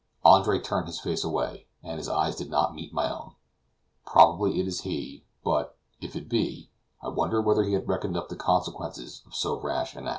Andre turned his face away, and his eyes did not meet my own. Probably it is he; but, if it be, I wonder whether he has reckoned up the consequences of so rash an act.